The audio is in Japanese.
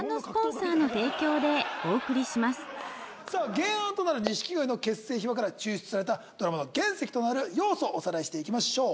原案となる錦鯉の結成秘話から抽出されたドラマの原石となる要素をおさらいしていきましょう。